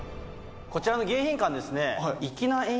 こちらの迎賓館ですね。